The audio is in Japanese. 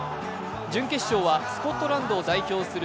準決勝はスコットランドを代表する